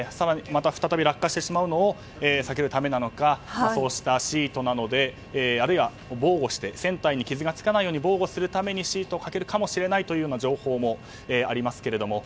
また、再び落下してしまうのを避けるためなのかそうしたシートなどであるいは船体に傷がつかないように防護するためにシートをかけるかもしれないという情報もあります。